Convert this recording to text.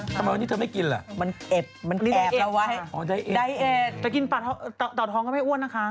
ทำไมวันนี้ไม่กินเหรอค่ะดาเอาไอต์ก็มีไว้แต่กินเตาทองก็ไม่อ้วนนะคะ